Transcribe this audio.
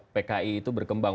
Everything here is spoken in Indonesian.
pki itu berkembang